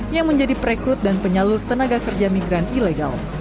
yang menjadi perekrut dan penyalur tenaga kerja migran ilegal